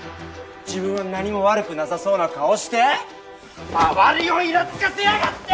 自分は何も悪くなさそうな顔して周りをイラつかせやがって！